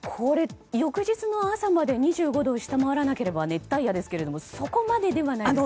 翌日の朝まで２５度を下回らなければ熱帯夜ですけれどもそこまでではないですか？